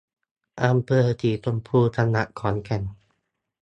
อำเภอสีชมพู จังหวัดขอนแก่น